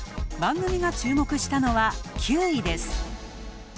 番組が注目したのは９位です。